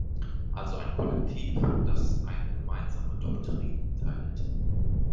Also ein Kollektiv, das eine gemeinsame Doktrin teilt.